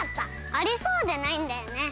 ありそうでないんだよね。